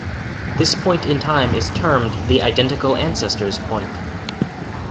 This point in time is termed the "identical ancestors point".